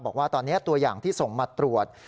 บอกว่าตอนนี้ตัวอย่างที่ส่งมาตรวจ